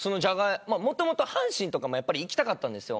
もともと阪神とかも行きたかったんです。